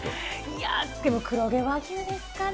いやー、でも黒毛和牛ですかね。